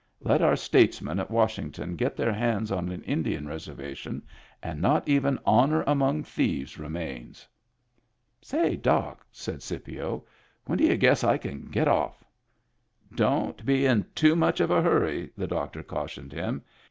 Let our statesmen at Washington get their hands on an Indian reservation, and not even honor among thieves remains." " Say, doc," said Scipio, " when d' y'u guess I can get off ?" "Don't be in too much of a hurry," the doctor cautioned him.